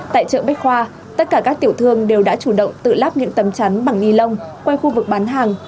tại chợ bách khoa tất cả các tiểu thương đều đã chủ động tự lắp những tấm chắn bằng nilon quay khu vực bán hàng